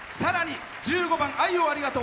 １５番「愛をありがとう」